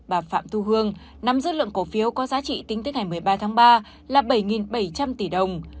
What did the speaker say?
bà phạm thu hương nắm giữ lượng cổ phiếu có giá trị tính tới ngày một mươi ba tháng ba là bảy bảy trăm linh tỷ đồng